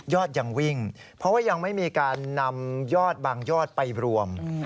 ยังวิ่งเพราะว่ายังไม่มีการนำยอดบางยอดไปรวม